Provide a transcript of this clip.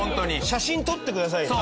写真撮ってくださいよ。